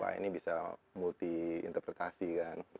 wah ini bisa multi interpretasi kan